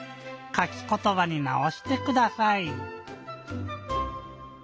「かきことば」になおしてください。